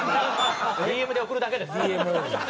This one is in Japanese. ＤＭで送るだけですから。